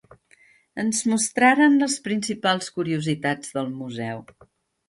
Ens mostraren les principals curiositats del museu.